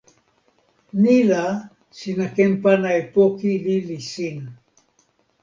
ni la, sina ken pana e poki lili sin!